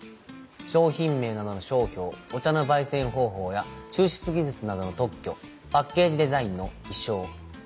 商品名などの商標お茶の焙煎方法や抽出技術などの特許パッケージデザインの意匠。